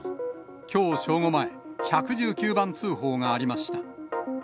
きょう正午前、１１９番通報がありました。